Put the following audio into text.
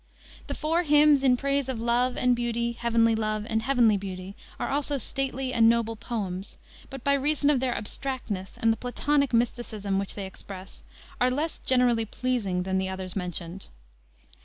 The four hymns in praise of Love and Beauty, Heavenly Love and Heavenly Beauty, are also stately and noble poems, but by reason of their abstractness and the Platonic mysticism which they express, are less generally pleasing than the others mentioned.